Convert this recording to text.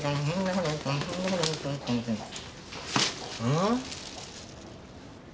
ん？